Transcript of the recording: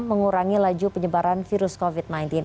mengurangi laju penyebaran virus covid sembilan belas